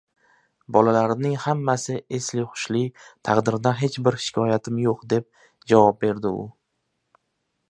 Bolalarimning hammasi esli-hushli. Taqdirdan hech bir shikoyatim yo‘q”, deb javob berdi u.